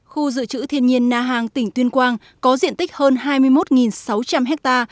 khu dự trữ thiên nhiên na hàng tỉnh tuyên quang có diện tích hơn hai mươi một sáu trăm linh ha